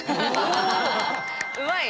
うまい？